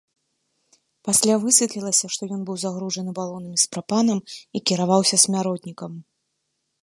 Пасля высветлілася, што ён быў загружаны балонамі з прапанам і кіраваўся смяротнікам.